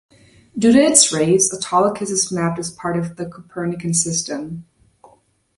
Due to its rays, Autolycus is mapped as part of the Copernican System.